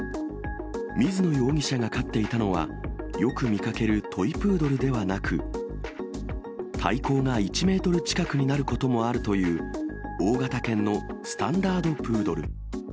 水野容疑者が飼っていたのは、よく見かけるトイプードルではなく、体高が１メートル近くになることもあるという、大型犬のスタンダードプードル。